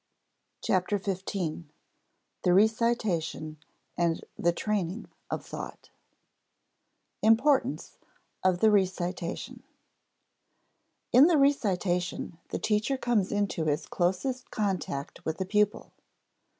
CHAPTER FIFTEEN THE RECITATION AND THE TRAINING OF THOUGHT [Sidenote: Importance of the recitation] In the recitation the teacher comes into his closest contact with the pupil.